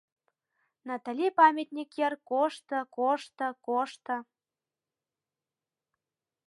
Натали памятник йыр кошто, кошто, кошто...